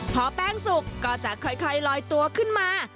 พอแป้งสุกก็จะค่อยลอยตัวขึ้นมา